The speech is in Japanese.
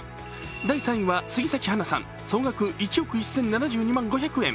第３委員は杉咲花さん総額１億１７２万５０００円。